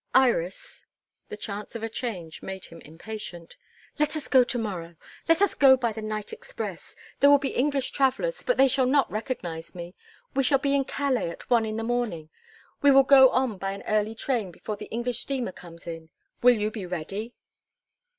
Iris" the chance of a change made him impatient "let us go to morrow. Let us go by the night express. There will be English travellers, but they shall not recognise me. We shall be in Calais at one in the morning. We will go on by an early train before the English steamer comes in. Will you be ready?"